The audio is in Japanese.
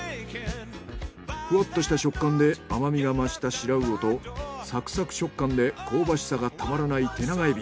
ふわっとした食感で甘みが増したシラウオとサクサク食感で香ばしさがたまらないテナガエビ。